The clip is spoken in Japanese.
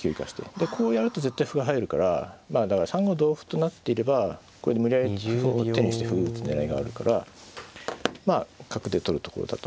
でこうやると絶対歩が入るからだから３五同歩となっていればこれで無理やり歩を手にして歩打つ狙いがあるからまあ角で取るところだと。